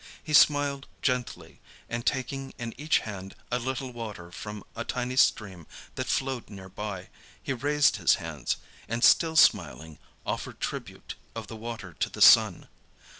He smiled gently, and taking in each hand a little water from a tiny stream that flowed near by, he raised his hands, and still smiling, offered tribute of the water to the sun.